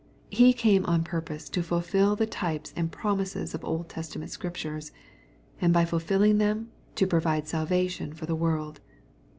He came on purpose to fulfil the types and promises of Old Testament Scriptures, and by fulfilling them to provide salvation for the world.